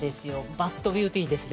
バッドビューティーですね